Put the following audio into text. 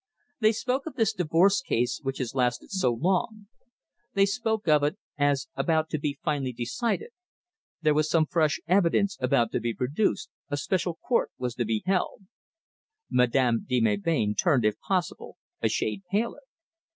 They spoke of this divorce case which has lasted so long; they spoke of it as about to be finally decided. There was some fresh evidence about to be produced, a special court was to be held." Madame de Melbain turned, if possible, a shade paler.